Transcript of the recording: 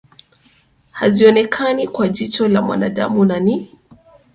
hazionekani kwa jicho la mwanadamu na ni